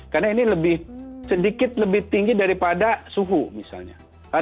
karena ini sedikit lebih tinggi daripada suhu misalnya